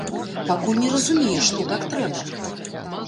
Пакуль не разумее, што так трэба.